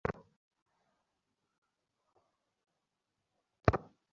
তার কতক কায়দা-কানুন মোগল-পাঠানের, কতক বিধিবিধান মনুপরাশরের।